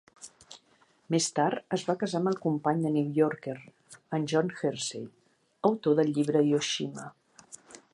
Més tard es va casar amb el company de "New Yorker", en John Hersey, autor del llibre "Hiroshima".